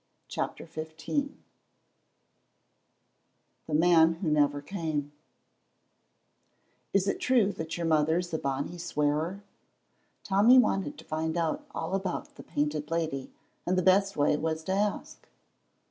CHAPTER XV THE MAN WHO NEVER CAME "Is it true that your mother's a bonny swearer?" Tommy wanted to find out all about the Painted Lady, and the best way was to ask.